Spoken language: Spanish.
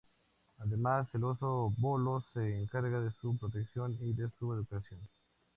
Además, el oso Baloo se encargará de su protección y de su educación.